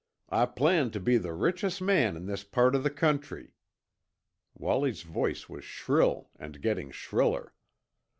I planned to be the richest man in this part of the country!" Wallie's voice was shrill and getting shriller.